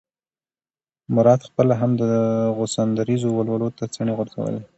مراد خپله هم دغو سندریزو ولولو ته څڼې غورځولې.